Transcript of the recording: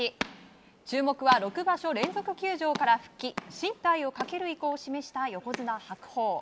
注目は６場所連続休場から復帰進退をかける意向を示した横綱・白鵬。